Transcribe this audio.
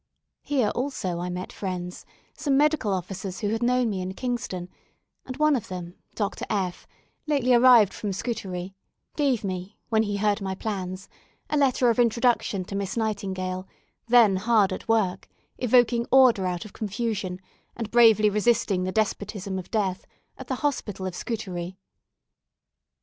Here, also, I met friends some medical officers who had known me in Kingston; and one of them, Dr. F , lately arrived from Scutari, gave me, when he heard my plans, a letter of introduction to Miss Nightingale, then hard at work, evoking order out of confusion, and bravely resisting the despotism of death, at the hospital of Scutari.